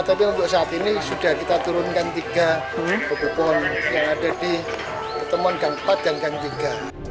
tapi untuk saat ini sudah kita turunkan tiga pohon yang ada di pertemuan gang empat dan gang tiga